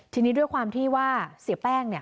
ทีนี้ด้วยความที่ว่าเสียแป้ง